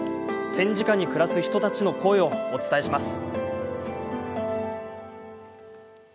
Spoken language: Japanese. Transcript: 戦時下に暮らす人たちの声をお伝えします。